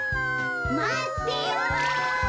まってよ！